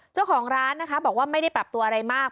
เจ้าของร้านนะคะบอกว่าไม่ได้ปรับตัวอะไรมาก